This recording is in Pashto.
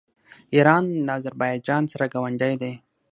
ایران له اذربایجان سره ګاونډی دی.